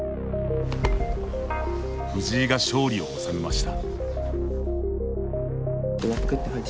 藤井が勝利を収めました。